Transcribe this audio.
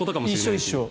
一緒一緒。